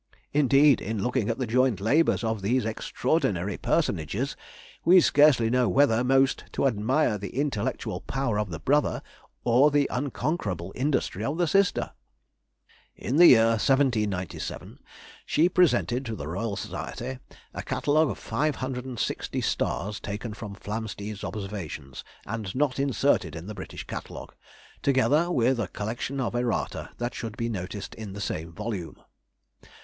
Indeed, in looking at the joint labours of these extraordinary personages, we scarcely know whether most to admire the intellectual power of the brother, or the unconquerable industry of the sister. In the year 1797 she presented to the Royal Society a Catalogue of 560 stars taken from Flamsteed's observations, and not inserted in the British Catalogue, together with a collection of errata that should be noticed in the same volume.